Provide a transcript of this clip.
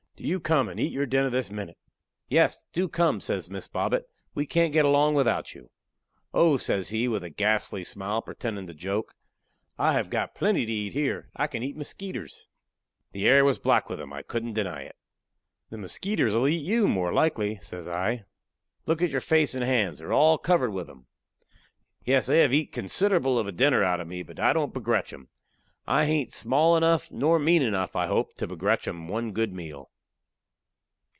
Do you come and eat your dinner this minute." "Yes, do come," says Miss Bobbet; "we can't get along without you!" "Oh!" says he, with a ghastly smile, pretending to joke, "I have got plenty to eat here I can eat muskeeters." The air was black with 'em, I couldn't deny it. "The muskeeters will eat you, more likely," says I. "Look at your face and hands; they are all covered with 'em." "Yes, they have eat considerable of a dinner out of me, but I don't begrech 'em. I hain't small enough, nor mean enough, I hope, to begrech 'em one good meal."